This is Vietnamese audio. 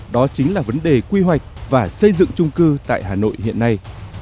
đó chính là vấn đề quy hoạch và xây dựng trung cư tại hà nội hiện nay